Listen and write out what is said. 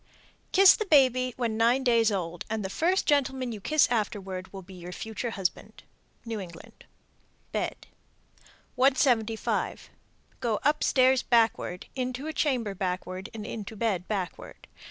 Kiss the baby when nine days old, and the first gentleman you kiss afterward will be your future husband. New England. BED. 175. Go upstairs backward, into a chamber backward, and into bed backward.